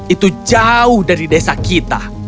itu jauh dari desa kita